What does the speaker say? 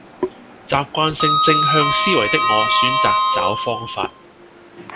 習慣性正向思維的我選擇找方法